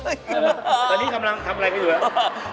ตอนนี้กำลังทำอะไรไปดูนะ